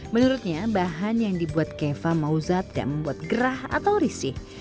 menurutnya bahan yang dibuat keva mauza tidak membuat gerah atau risih